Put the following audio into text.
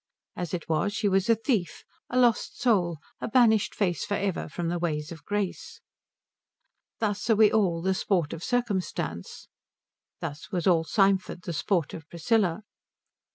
As it was she was a thief, a lost soul, a banished face for ever from the ways of grace. Thus are we all the sport of circumstance. Thus was all Symford the sport of Priscilla.